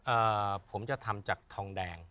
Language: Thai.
ผมจะทำจากทองแดง